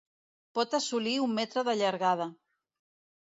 Pot assolir un metre de llargada.